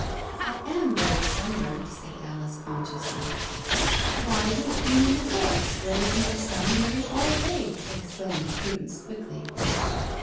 "I am very sun burnt," said Alice consciously. "Why, we've been in the forest, where there's no sun, nearly all day," exclaimed Prudence quickly.